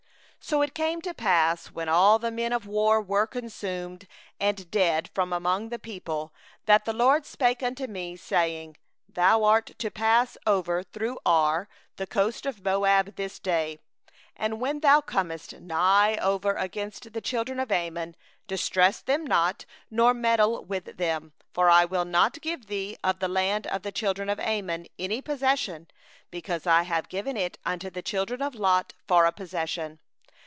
16So it came to pass, when all the men of war were consumed and dead from among the people, 17that the LORD spoke unto me saying: 18'Thou art this day to pass over the border of Moab, even Ar; 19and when thou comest nigh over against the children of Ammon, harass them not, nor contend with them; for I will not give thee of the land of the children of Ammon for a possession; because I have given it unto the children of Lot for a possession.